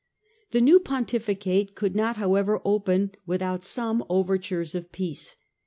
The new pontificate could not, however, open without some overtures for peace.